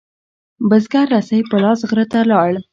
بزگر رسۍ په لاس غره ته لاړ.